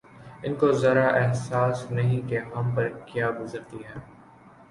ان کو ذرا سا احساس نہیں کہ ہم پر کیا گزرتی ہے